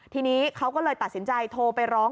ทีนี้เขาก็เลยตัดสินใจโทรไปร้อง